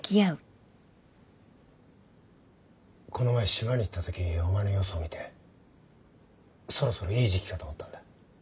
この前島に行ったときお前の様子を見てそろそろいい時期かと思ったんだ。